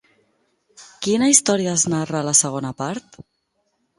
Quina història es narra a la segona part?